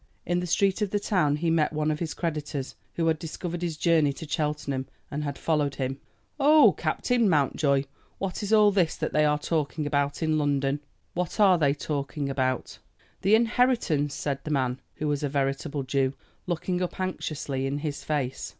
In the street of the town he met one of his creditors, who had discovered his journey to Cheltenham, and had followed him. "Oh, Captain Mountjoy, what is all dis that they are talking about in London?" "What are they talking about?" "De inheritance!" said the man, who was a veritable Jew, looking up anxiously in his face.